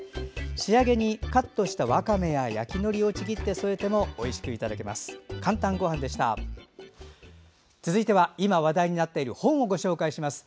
仕上げに、カットしたわかめや焼きのりをちぎって添えてもおいしくいただけます。